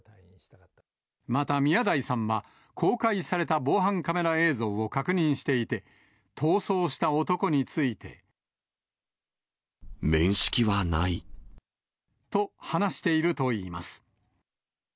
また宮台さんは、公開された防犯カメラ映像を確認していて、逃走した男について。面識はない。と話しているといいます。